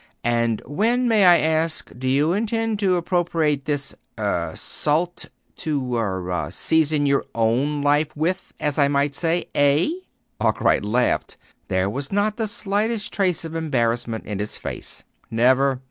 "And when, may I ask, do you intend to appropriate this er salt to er ah, season your own life with, as I might say eh?" Arkwright laughed. There was not the slightest trace of embarrassment in his face. "Never.